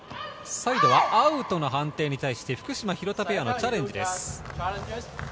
サイドはアウトの判定に対して福島・廣田ペアがチャレンジです。